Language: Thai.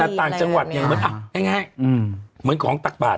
แต่ต่างจังหวัดอย่างเหมือนอ่ะง่ายเหมือนของตักบาท